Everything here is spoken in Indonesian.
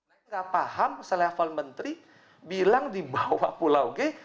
saya nggak paham selevel menteri bilang di bawah pulau g